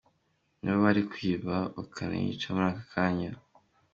"Ni bo bari kwiba bakanica muri aka kanya.